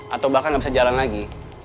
atau bahkan nggak bisa jalan lagi